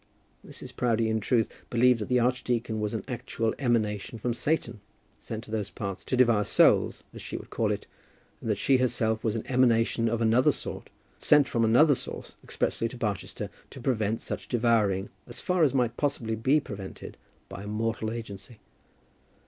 Mrs. Proudie in truth believed that the archdeacon was an actual emanation from Satan, sent to those parts to devour souls, as she would call it, and that she herself was an emanation of another sort, sent from another source expressly to Barchester, to prevent such devouring, as far as it might possibly be prevented by a mortal agency.